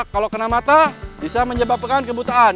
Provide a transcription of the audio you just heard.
kalau kena mata bisa menyebabkan kebutaan